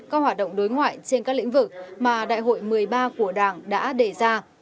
các hoạt động đối ngoại trên các lĩnh vực mà đại hội một mươi ba của đảng đã đề ra